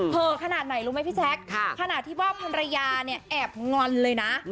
ขนาดไหนรู้ไหมพี่แจ๊คขนาดที่ว่าภรรยาเนี่ยแอบงอนเลยนะ